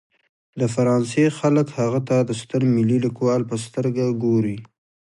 د فرانسې خلک هغه ته د ستر ملي لیکوال په سترګه ګوري.